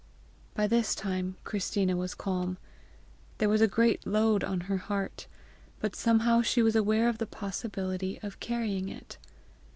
By this time Christina was calm. There was a great load on her heart, but somehow she was aware of the possibility of carrying it.